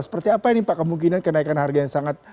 seperti apa ini pak kemungkinan kenaikan harga yang sangat